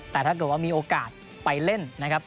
แต่ถ้าเกิดว่ามีโอกาสไปเล่นนะครับ